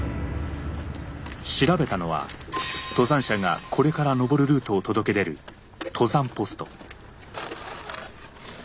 調べたのは登山者がこれから登るルートを届け出る登山ポスト。